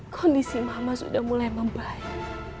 kondisi mama sudah mulai membaik